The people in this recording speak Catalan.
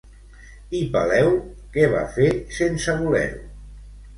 I Peleu, què va fer sense voler-ho?